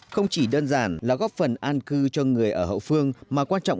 không chỉ đơn giản là góp phần an cư cho người ở hậu phương